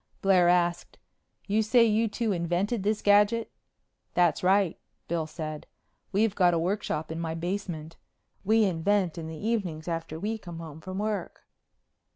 Blair asked, "You say you two invented this gadget?" "That's right," Bill said. "We've got a workshop in my basement. We invent in the evenings after we come home from work."